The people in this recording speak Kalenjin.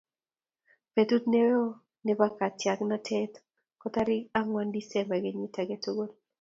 Betut neo nebo katyaknatet ko tariik ang'wan December kenyiit age tugul.